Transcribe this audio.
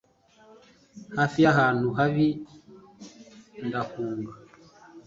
hafi y'ahantu habi ndahunga